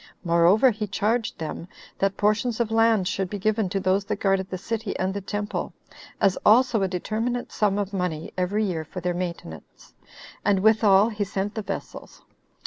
Moreover, he charged them, that portions of land should be given to those that guarded the city and the temple, as also a determinate sum of money every year for their maintenance; and withal he sent the vessels.